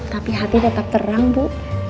tapi hati tetap terang bu